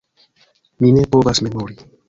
Mi ne povas memori.